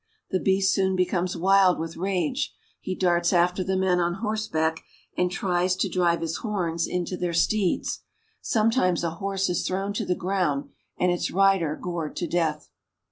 The beast soon becomes wild with rage; he darts after the men on horseback, and tries to drive his horns into their steeds. Sometimes a horse is thrown to the ground, and its rider gored to death.